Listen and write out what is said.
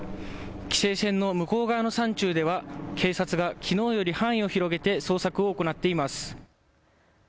規制線の向こう側の山中では警察がきのうより範囲を広げて捜索を行っています。